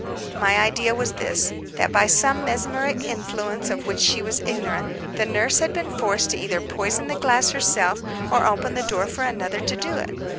My idea was this—that by some mesmeric influence of which she was ignorant, the nurse had been forced to either poison the glass herself or open the door for another to do it.